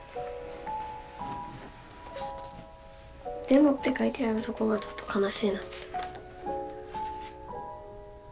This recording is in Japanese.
「でも」って書いてあるとこがちょっと悲しいなって。